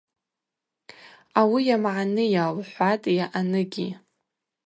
Ауи йамгӏаныйа? – лхӏватӏйа аныгьи.